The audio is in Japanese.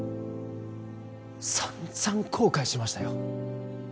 さんざん後悔しましたよ